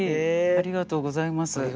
ありがとうございます。